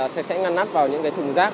sẽ ngăn nắp vào những thùng rác